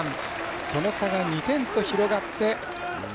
その差が２点と広がって。